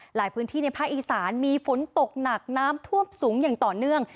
ในพื้นที่ในภาคอีสานมีฝนตกหนักน้ำท่วมสูงอย่างต่อเนื่อง